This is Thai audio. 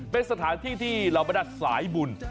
เป็นสถานที่ที่เราไม่ได้สายบุญ